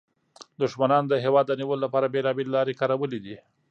دښمنانو د هېواد د نیولو لپاره بیلابیلې لارې کارولې دي